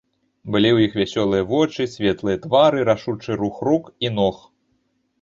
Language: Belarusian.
Былі ў іх вясёлыя вочы, светлыя твары, рашучы рух рук і ног.